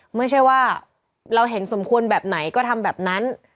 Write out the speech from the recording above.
ไม่ใช่ว่าเราเห็นสมควรแบบไหนก็ทำแบบนั้น